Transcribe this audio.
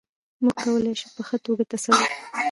موږ کولای شو په ښه توګه تصور وکړو.